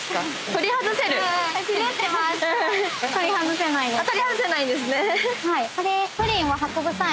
取り外せないんですね。